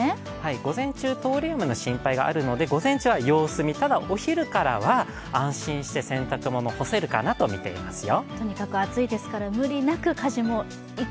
午前中通り雨の心配があるので午前中は様子見、ただお昼からは安心して洗濯物干せるかなとみていますよ。